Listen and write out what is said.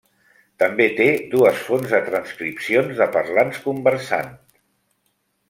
També té dues fonts de transcripcions de parlants conversant.